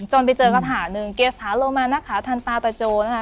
ไปเจอกระถาหนึ่งเกษาโลมานะคะทันตาตะโจนะคะ